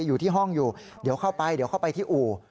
อยู่ที่ห้องอยู่เดี๋ยวเข้าไปที่อู่